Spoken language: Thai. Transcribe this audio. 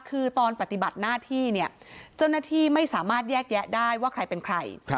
คือตอนปฏิบัติหน้าที่เนี่ยเจ้าหน้าที่ไม่สามารถแยกแยะได้ว่าใครเป็นใคร